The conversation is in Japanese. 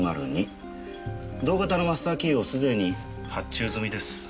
同型のマスターキーをすでに発注済みです。